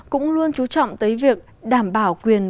cũng luôn chú trọng tới việc đảm bảo quyền